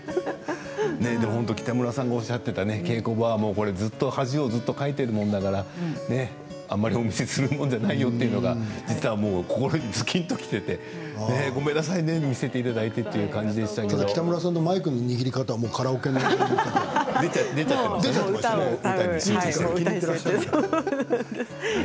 北村さんがおっしゃっていた稽古場は恥をずっとかいているものだからあまりお見せするもんじゃないよというのが実は心にずきんときていてごめんなさいね見せていただいてという感じでしたけれども北村さんのマイクの持ち方カラオケが出ちゃっていましたよ。